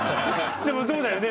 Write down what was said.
でもそうだよね。